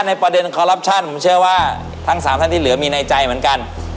ในประเด็นคอรัปชั่นผมเชื่อว่าทั้งสามท่านที่เหลือมีในใจเหมือนกัน